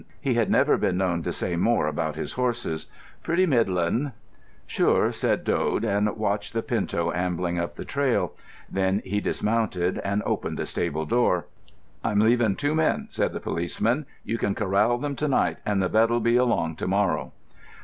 He had never been known to say more about his horses. "Pretty middlin'." "Sure," said Dode, and watched the pinto ambling up the trail. Then he dismounted and opened the stable door. "I'm leaving two men," said the policeman. "You can corral them to night, and the vet'll be along to morrow."